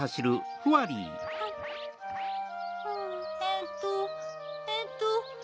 えっとえっと。